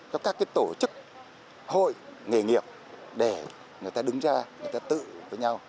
cho các tổ chức hội nghề nghiệp để người ta đứng ra người ta tự với nhau